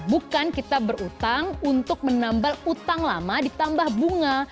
bukan kita berutang untuk menambal utang lama ditambah bunga